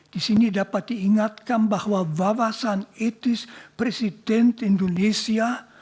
di sini dapat diingatkan bahwa wawasan etis presiden indonesia